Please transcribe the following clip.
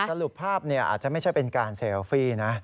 สรุปภาพอาจจะไม่ใช่เป็นการเซลฟี่นะ